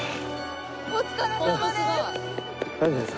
お疲れさまです。